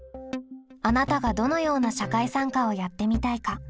あなたがどのような社会参加をやってみたいか。